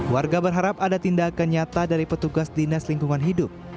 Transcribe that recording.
warga berharap ada tindakan nyata dari petugas dinas lingkungan hidup